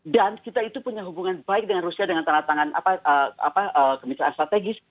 dan kita itu punya hubungan baik dengan rusia dengan tanah tangan kemitraan strategis